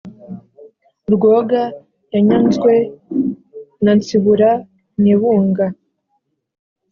rwoga yanyanzwe na nsibura nyebunga